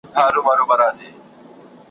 چي قلم پورته کومه کردګار ته غزل لیکم ,